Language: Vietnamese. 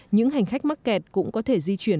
những hành khách mắc kẹt cũng có thể di chuyển